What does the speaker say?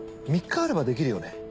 ３日あればできるよね。